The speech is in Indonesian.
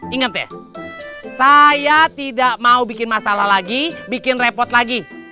ingat deh saya tidak mau bikin masalah lagi bikin repot lagi